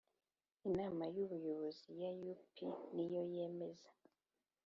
Inama y Ubuyobozi ya U P ni yo yemeza